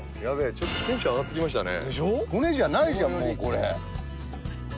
ちょっとテンション上がってきましたね。